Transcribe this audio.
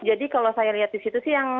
jadi kalau saya lihat di situ sih yang